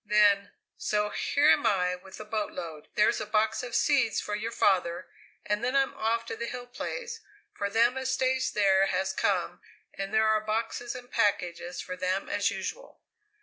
Then: "So here am I with the boatload there's a box of seeds for your father and then I'm off to the Hill Place, for them as stays there has come, and there are boxes and packages for them as usual."